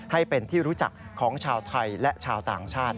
ให้เป็นที่รู้จักของชาวไทยและชาวต่างชาติ